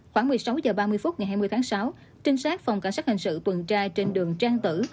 khoảng một mươi sáu h ba mươi phút ngày hai mươi tháng sáu trinh sát phòng cảnh sát hình sự tuần tra trên đường trang tử